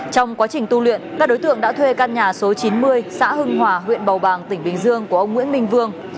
trong quá trình tu luyện các đối tượng đã thuê căn nhà số chín mươi xã hưng hòa huyện bầu bàng tỉnh bình dương của ông nguyễn minh vương